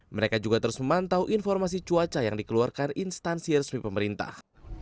mereka juga terus memantau informasi cuaca yang dikeluarkan instansi resmi pemerintah